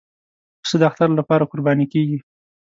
پسه د اختر لپاره قرباني کېږي.